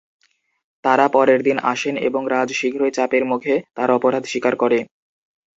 তারা পরের দিন আসেন এবং রাজ শীঘ্রই চাপের মুখে তার অপরাধ স্বীকার করে।